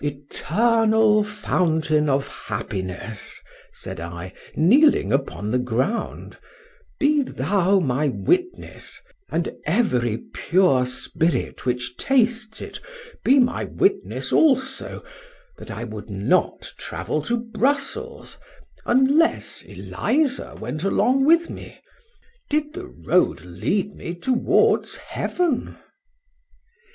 Eternal Fountain of Happiness! said I, kneeling down upon the ground,—be thou my witness—and every pure spirit which tastes it, be my witness also, That I would not travel to Brussels, unless Eliza went along with me, did the road lead me towards heaven!